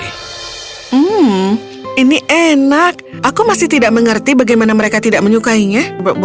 hmm ini enak aku masih tidak mengerti bagaimana mereka tidak menyukainya